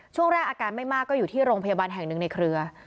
ช่วงแรกอาการอาการไม่มากก็อยู่ที่โรงพยาบานในเครือ